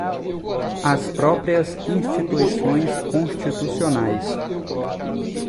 as próprias instituições constitucionais